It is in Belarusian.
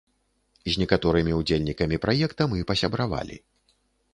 З некаторымі ўдзельнікамі праекта мы пасябравалі.